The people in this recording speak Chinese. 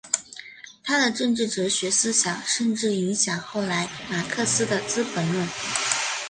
他的政治哲学思想甚至影响后来马克思的资本论。